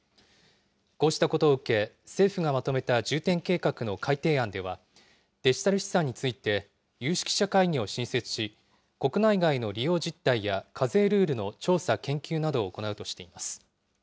こうしたことを受け、政府がまとめた重点計画の改定案では、デジタル資産について有識者会議を新設し、国内外の利用実態や課税ルールの調査・研究などを行うとしています。